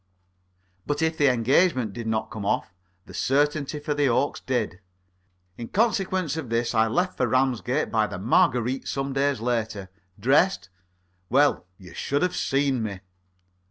But if the engagement did not come off, the certainty for the Oaks did. In consequence of this I left for Ramsgate by the "Marguerite" some days later. Dressed? Well, you should have seen me.